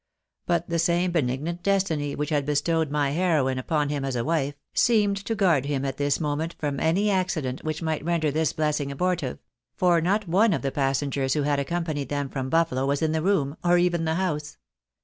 But the same benignant destiny which had bestowed my heroine upon him as a wife, seemed to guard him at this happy moment from any accident which might render this blessing abortive ; for not one of the passengers who had accompanied them from Buffalo was in the room, or even the house.